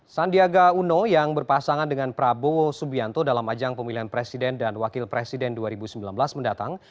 sandiaga uno yang berpasangan dengan prabowo subianto dalam ajang pemilihan presiden dan wakil presiden dua ribu sembilan belas mendatang